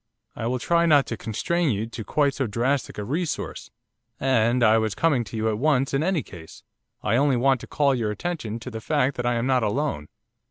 'I will try not to constrain you to quite so drastic a resource, and I was coming to you at once in any case. I only want to call your attention to the fact that I am not alone.